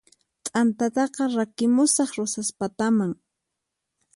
T'antataqa rakimusaq Rosaspataman